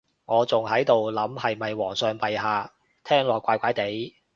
我仲喺度諗係咪皇上陛下，聽落怪怪哋